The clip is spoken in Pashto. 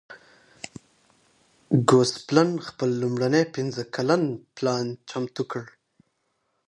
ګوسپلن خپل لومړنی پنځه کلن پلان چمتو کړ.